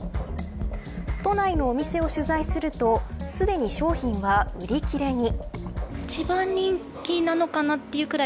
都内のお店を取材するとすでに商品は売り切れに。